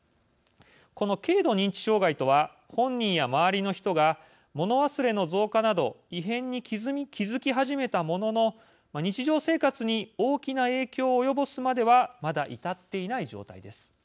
この軽度認知障害とは本人や周りの人が物忘れの増加など異変に気付き始めたものの日常生活に大きな影響を及ぼすまではまだ至っていない状態です。